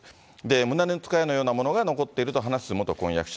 胸のつかえのようなものが残っていると話す元婚約者。